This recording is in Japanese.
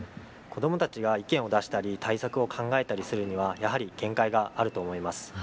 子どもたちが意見を出したり対策を考えたりするにはやはり限界があると思います。